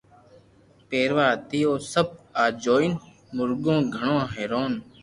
پيروا ھتي او سب آ جوئين مورگو گھڻو ھآرون